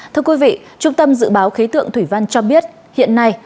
thưa quý vị trung tâm dự báo khí tượng thủy văn cho biết hiện nay